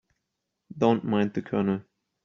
Don't mind the Colonel.